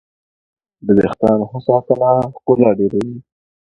د ویښتانو ښه ساتنه ښکلا ډېروي.